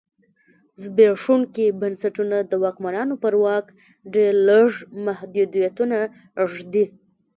زبېښونکي بنسټونه د واکمنانو پر واک ډېر لږ محدودیتونه ږدي.